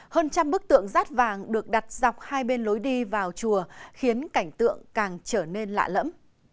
hơn trăm bức tượng rát vàng được đặt dọc hai bên lối đi vào chùa khiến cảnh tượng càng trở nên lạ lẫm